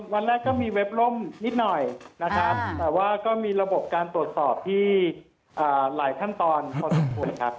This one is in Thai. วันแรกก็มีเว็บล่มนิดหน่อยนะครับแต่ว่าก็มีระบบการตรวจสอบที่หลายขั้นตอนพอสมควรครับ